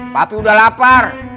papi udah lapar